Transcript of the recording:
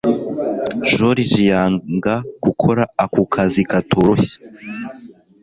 Joriji yanga gukora ako kazi katoroshye